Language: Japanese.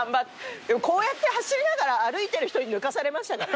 こうやって走りながら歩いてる人に抜かされましたね。